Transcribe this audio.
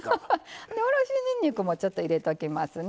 おろしにんにくもちょっと入れときますね。